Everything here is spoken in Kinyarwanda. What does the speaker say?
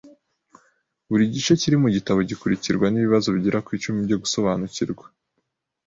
Buri gice kiri mu gitabo gikurikirwa nibibazo bigera ku icumi byo gusobanukirwa.